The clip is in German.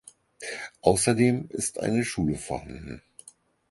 Außerdem ist eine Schule vorhanden.